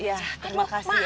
terima kasih ya